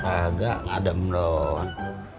agak ngadem loh